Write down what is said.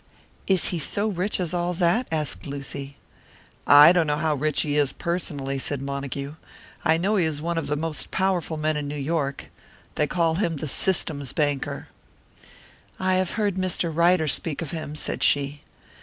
"Is he so rich as all that?" asked Lucy. "I don't know how rich he is personally," said Montague. "I know he is one of the most powerful men in New York. They call him the 'System's' banker." "I have heard Mr. Ryder speak of him," said she.